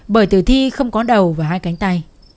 bởi tử thi không có đầu và hai cánh tay